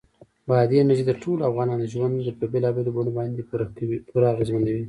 بادي انرژي د ټولو افغانانو ژوند په بېلابېلو بڼو باندې پوره اغېزمنوي.